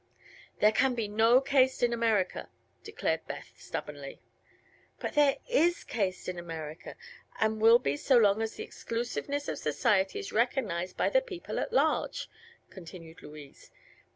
"There can be no caste in America," declared Beth, stubbornly. "But there is caste in America, and will be so long as the exclusiveness of society is recognized by the people at large," continued Louise.